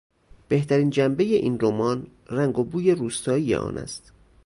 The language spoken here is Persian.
بهترین جنبهی این رمان رنگ و بوی روستایی آن است.